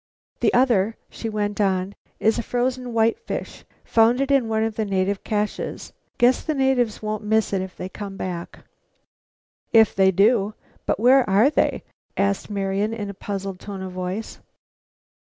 The other," she went on, "is a frozen whitefish; found it on one of the caches. Guess the natives won't miss it if they come back." "If they do. But where are they?" asked Marian in a puzzled tone of voice.